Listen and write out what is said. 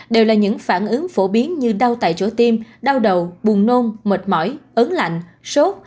đều là những phản ứng phổ biến như đau tại chỗ tim đau đầu buồn nôn mệt mỏi ớn lạnh sốt